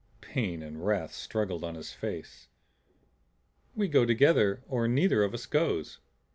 Pain and wrath struggled on his face. "We go together or neither of us goes.